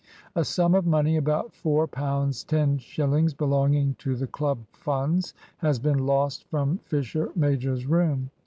A sum of money, about £4 10 shillings, belonging to the Club funds has been lost from Fisher major's room.